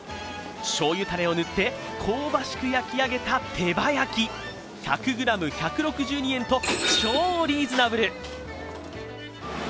しょうゆたれを塗って、香ばしく焼き上げた手羽焼き１００ｇ１６２円と、超リーズナブル。